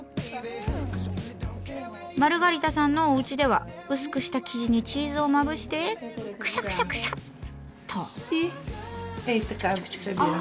マルガリタさんのおうちでは薄くした生地にチーズをまぶしてクシャクシャクシャッと。